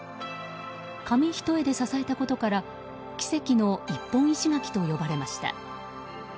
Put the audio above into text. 紙一重で支えたことから奇跡の一本石垣と呼ばれました。